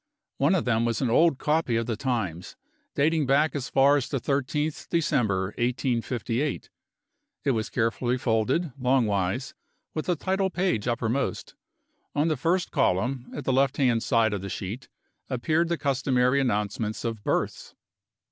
One of them was an old copy of the Times, dating back as far as the 13th December, 1858. It was carefully folded, longwise, with the title page uppermost. On the first column, at the left hand side of the sheet, appeared the customary announcements of Births.